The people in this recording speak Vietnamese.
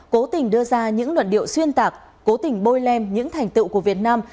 cố tình đưa ra những luận điệu xuyên tạc cố tình bôi lem những thành tựu của việt nam